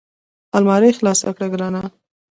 المارۍ خلاصه کړه ګرانه !